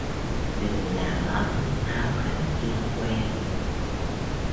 Đừng làm ẩm áo khách chưa quen.